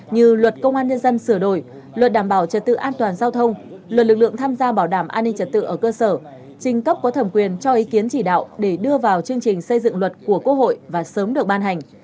như luật công an nhân dân sửa đổi luật đảm bảo trật tự an toàn giao thông luật lực lượng tham gia bảo đảm an ninh trật tự ở cơ sở trình cấp có thẩm quyền cho ý kiến chỉ đạo để đưa vào chương trình xây dựng luật của quốc hội và sớm được ban hành